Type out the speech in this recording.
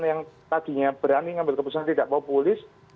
yang tadinya berani ngambil keputusan tidak populis